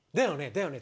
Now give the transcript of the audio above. だよね？